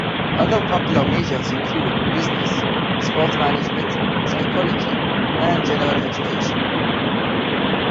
Other popular majors include: business, sport management, psychology, and general education.